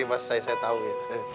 bahasa saya tau ya